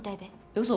嘘？